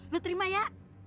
lu terima ya